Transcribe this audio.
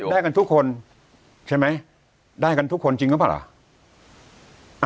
ได้กันทุกคนใช่ไหมได้กันทุกคนจริงหรือเปล่าล่ะ